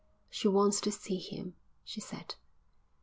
"She wants to see him," she said.